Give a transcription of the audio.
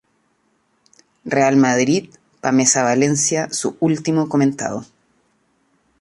Real Madrid-Pamesa Valencia su último comentado.